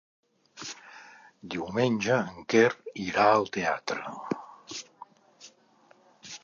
Diumenge en Quer irà al teatre.